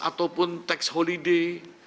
ataupun tax holiday